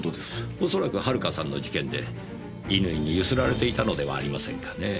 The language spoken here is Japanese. おそらく遥さんの事件で乾にゆすられていたのではありませんかねぇ。